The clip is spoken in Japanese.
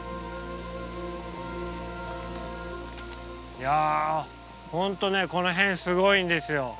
いや本当ねこの辺すごいんですよ。